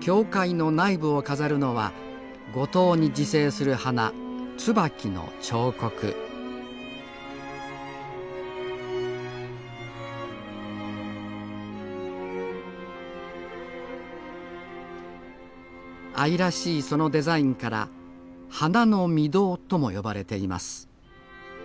教会の内部を飾るのは五島に自生する花椿の彫刻愛らしいそのデザインから「花の御堂」とも呼ばれています